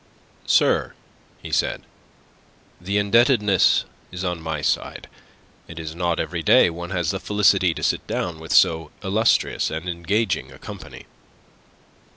"Sir," he said, "the indebtedness is on my side. It is not every day one has the felicity to sit down with so illustrious and engaging a company."